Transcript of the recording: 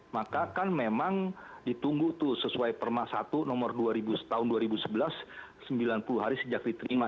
maka kan memang ditunggu tuh sesuai perma satu nomor tahun dua ribu sebelas sembilan puluh hari sejak diterima